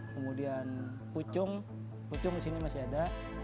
kemudian pucung pucung di sini masih ada